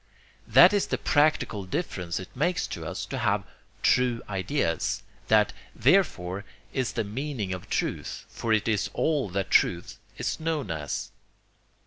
That is the practical difference it makes to us to have true ideas; that, therefore, is the meaning of truth, for it is all that truth is known as.